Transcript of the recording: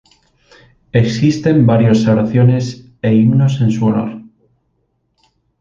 Existen varias oraciones e himnos en su honor.